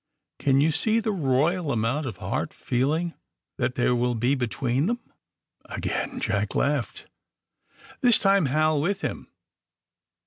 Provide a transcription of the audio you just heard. Can you see the royal amount of hard feeling that there will be be tween themf Again Jack laughed. This time Hal with him.